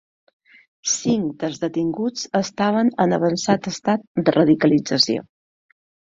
Cinc dels detinguts estaven en avançat estat de radicalització.